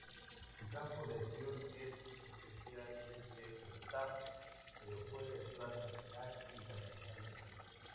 Su campo de acción es especialmente Bogotá, pero puede actuar nacional e internacionalmente.